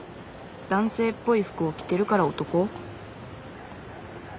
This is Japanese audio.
男性っぽい服を着てるから男？